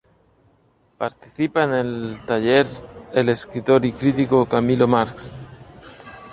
Participa en el taller del escritor y crítico Camilo Marks.